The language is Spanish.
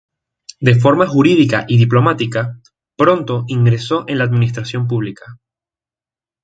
De formación jurídica y diplomática, pronto ingresó en la administración pública.